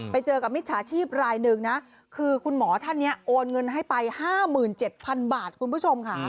ไปเจอกับมิจฉาชีพรายหนึ่งนะคือคุณหมอท่านนี้โอนเงินให้ไป๕๗๐๐บาทคุณผู้ชมค่ะ